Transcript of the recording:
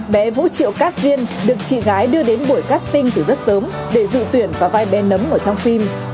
bé vũ triệu cát diên được chị gái đưa đến buổi casting từ rất sớm để dự tuyển vào vai bé nấm ở trong phim